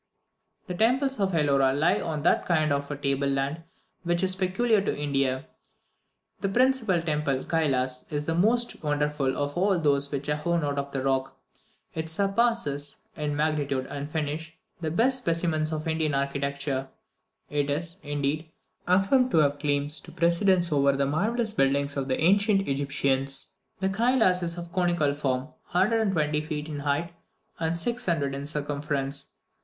The temples of Elora lie on that kind of table land which is peculiar to India. The principal temple, Kylas, is the most wonderful of all those which are hewn out of the rock. It surpasses, in magnitude and finish, the best specimens of Indian architecture; it is, indeed, affirmed to have claims to precedence over the marvellous buildings of the ancient Egyptians. The Kylas is of conical form, 120 feet in height and 600 in circumference.